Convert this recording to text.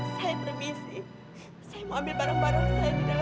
saya permisi saya mau ambil barang barang saya di dalam